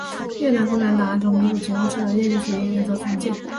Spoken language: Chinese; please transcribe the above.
越南共产党按照民主集中制的列宁主义原则组建。